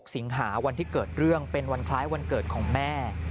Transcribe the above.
สิงหาวันที่เกิดเรื่องเป็นวันคล้ายวันเกิดของแม่